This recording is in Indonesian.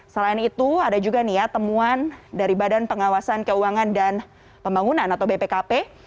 selain itu ada juga nih ya temuan dari badan pengawasan keuangan dan pembangunan atau bpkp